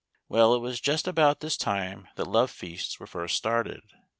Well, it was just about this time that love feasts were first started.